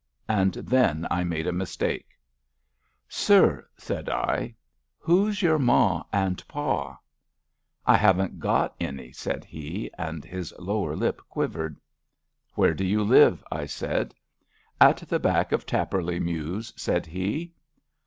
And then I made a mistake. Sir,'* said I, who's your Ma and Pa? *'I haven't got any,'* said he, and his lower lip quivered. Where do you live? '* I said. At the back of Tarporley Mews/' said he.